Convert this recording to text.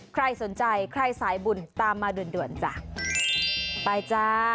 ใครสนใจใครสายบุญตามมาด่วนด่วนจ้ะไปจ้า